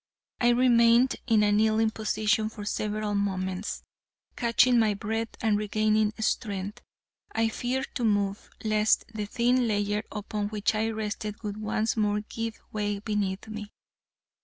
I remained in a kneeling position for several moments, catching my breath and regaining strength. I feared to move, lest the thin layer upon which I rested would once more give way beneath me.